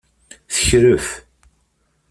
Tekref.